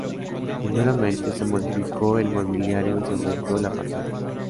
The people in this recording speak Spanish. Primeramente, se modificó el mobiliario y se aumentó la pantalla.